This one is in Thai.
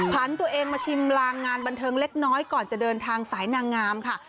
ผ่านตัวเองมาชิมลางงานบันเทิงเล็กน้อยก่อนจะเดินทางสายนางงามค่ะ